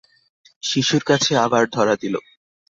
শিশুর কাছে আবার ধরা দিল।